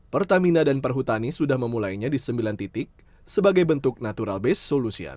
pertamina dan perhutani sudah memulainya di sembilan titik sebagai bentuk natural base solution